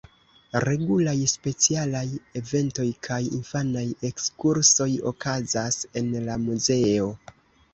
Regulaj specialaj eventoj kaj infanaj ekskursoj okazas en la muzeo.